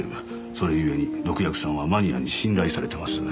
それゆえに毒薬さんはマニアに信頼されてます。